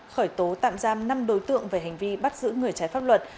khởi tố tạm giam năm đối tượng về hành vi bắt giữ người trái pháp luật